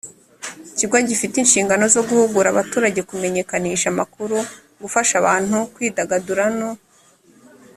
kigo gifite inshingano zo guhugura abaturage kumenyekanisha amakuru gufasha abantu kwidagadura no